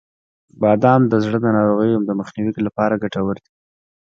• بادام د زړه د ناروغیو د مخنیوي لپاره ګټور دي.